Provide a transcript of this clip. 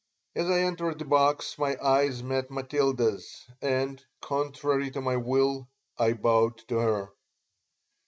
As I entered the box my eyes met Matilda's and, contrary to my will, I bowed to her.